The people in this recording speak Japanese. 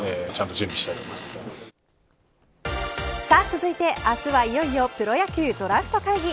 続いて明日はいよいよプロ野球ドラフト会議。